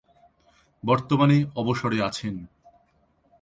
বর্তমানে অবসরে আছেন।